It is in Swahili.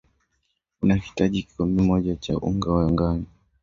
utahitaji Kikombe moja chaUnga wa ngano